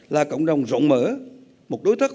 là cộng đồng rộng mở một đối tác